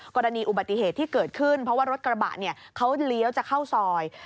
กรณีอุบัติเหตุที่เกิดขึ้นเพราะว่ารถกระบะเนี่ยเขาเลี้ยวจะเข้าซอย